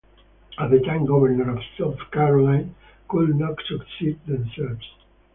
At the time governors of South Carolina could not succeed themselves.